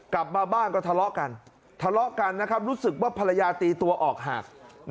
กลับมาบ้านก็ทะเลาะกันทะเลาะกันรู้สึกว่าภรรยาตีตัวออกหาก